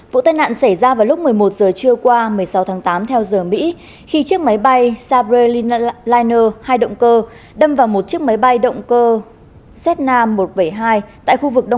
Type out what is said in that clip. vụ tai nạn xảy ra vào lúc một mươi một giờ trưa qua một mươi sáu tháng tám theo giờ mỹ khi chiếc máy bay sabrener hai động cơ đâm vào một chiếc máy bay động cơ sna một trăm bảy mươi hai tại khu vực đông